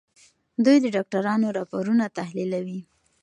دوی د ډاکټرانو راپورونه تحليلوي.